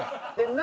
「何？